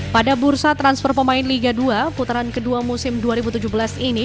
pada bursa transfer pemain liga dua putaran kedua musim dua ribu tujuh belas ini